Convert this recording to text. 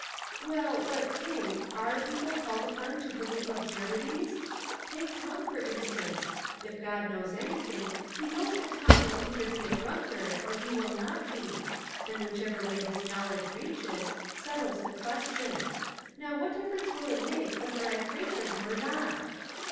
" Well, but. Faith, are people called upon to believe absurdities? Take Tom, for instance. If God knows anything, he knows that Tom will either be a drunkard or he will not be; and 316 Household Puzzles, whichever way his knowledge reaches, settles the question. Now what difference will it make whether I pray for him or not?"